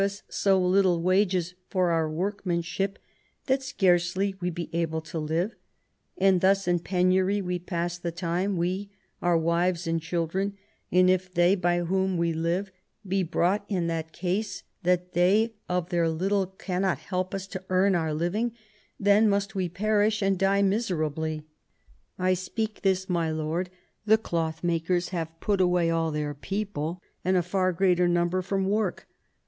US so little wages for our workmanship that scarcely we be able to live; and thus in penury we pass the time, we, our wives and children : and if they, by whom we live, be brought in that case that they of their little can not help us to earn our living, then must we perish and die miserably. I speak this, my lord : the clothmakers have put away all their people, and a far greater number, from work.